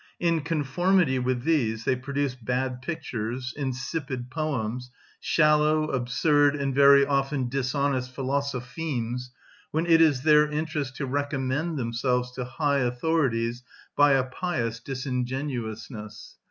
In conformity with these they produce bad pictures, insipid poems, shallow, absurd, and very often dishonest philosophemes, when it is to their interest to recommend themselves to high authorities by a pious disingenuousness.